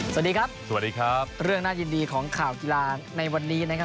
สวัสดีครับสวัสดีครับเรื่องน่ายินดีของข่าวกีฬาในวันนี้นะครับ